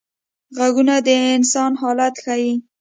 غږونه د انسان حالت ښيي